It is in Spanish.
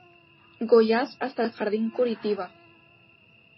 Goiás hasta el Jardín Curitiba.